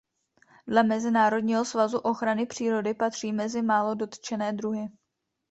Dle Mezinárodního svazu ochrany přírody patří mezi málo dotčené druhy.